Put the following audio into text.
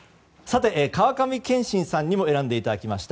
川上憲伸さんにも選んでいただきました。